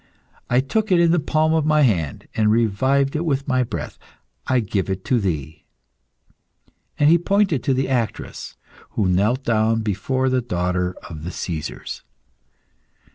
I took it in the palm of my hand, and revived it with my breath. I give it to thee." And he pointed to the actress, who knelt down before the daughter of the Caesars.